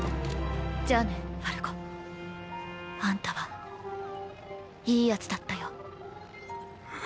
じゃあねファルコ。あんたは良い奴だったよ。